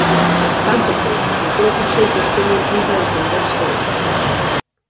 Tanto ten, de todos os xeitos teñen pinta de entenderse ben.